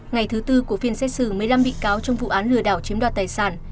ngày thứ tư của phiên xét xử một mươi năm bị cáo trong vụ án lừa đảo chiếm đoạt tài sản